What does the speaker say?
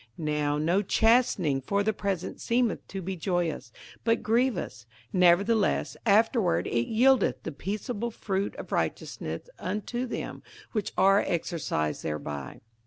58:012:011 Now no chastening for the present seemeth to be joyous, but grievous: nevertheless afterward it yieldeth the peaceable fruit of righteousness unto them which are exercised thereby.